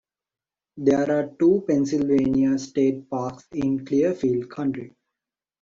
There are two Pennsylvania state parks in Clearfield County.